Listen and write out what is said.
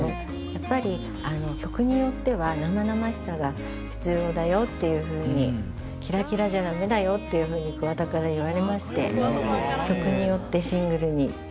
やっぱり「曲によっては生々しさが必要だよ」っていう風に「キラキラじゃダメだよ」っていう風に桑田から言われまして曲によって。